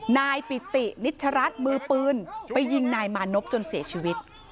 นายปิตินิชรัฐมือปืนไปยิงนายมานพจนเสียชีวิต